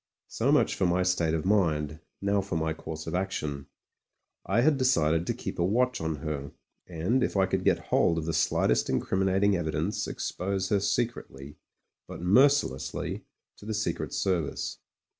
So much for my state of mind ; now, for my course of action. I had decided to keep a watch on her, and, if I could get hold of the slightest incriminating evidence, expose her secretly, but mercilessly, to the Secret Service.